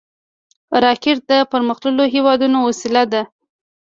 راکټ د پرمختللو هېوادونو وسیله ده